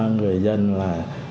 người dân là